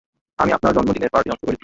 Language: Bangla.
আমি আপনার জন্মদিনের পার্টি নষ্ট করেছি।